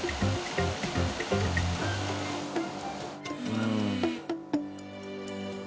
うん。